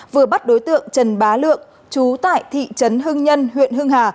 vừa bắt đối tượng trần bá lượng trú tại thị trấn hưng nhân huyện hưng hà